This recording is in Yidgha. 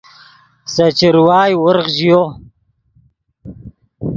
سے چروائے ورغ ژیو